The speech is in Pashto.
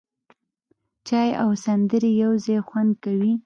چای او سندرې یو ځای خوند کوي.